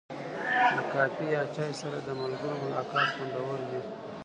د کافي یا چای سره د ملګرو ملاقات خوندور وي.